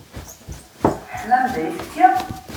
Tesseḥmam-d ayefki?